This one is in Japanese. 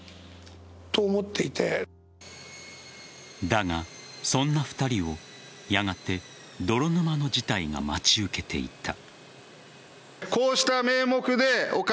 だが、そんな２人をやがて泥沼の事態が待ち受けていた。